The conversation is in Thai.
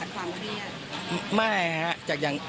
เกิดจากความเครียด